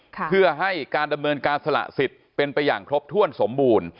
เพื่อให้การดำเนินการสละสิทธิ์เป็นไปอย่างครบถ้วนสมบูรณ์